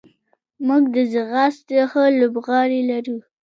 موږ د ځغاستې ښه لوبغاړي لرو.